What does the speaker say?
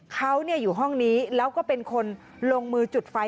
เขาอยู่ห้องนี้แล้วก็เป็นคนลงมือจุดไฟ